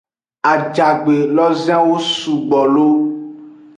Ajagbe lozenwo sugbo lo.